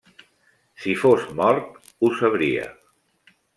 Si fos mort, ho sabria.